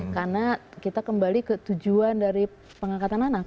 karena kita kembali ke tujuan dari pengangkatan anak